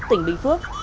tỉnh bình phước